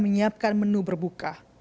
menyiapkan menu berbuka